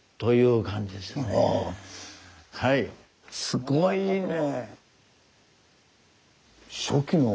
すごいね。